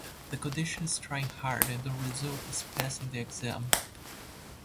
The condition is trying hard and the result is passing the exam.